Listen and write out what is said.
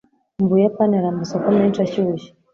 Mu Buyapani hari amasoko menshi ashyushye.